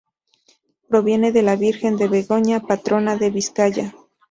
Proviene de la Virgen de Begoña, patrona de Vizcaya.